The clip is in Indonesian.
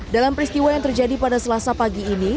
dalam peristiwa yang terjadi pada selasa pagi ini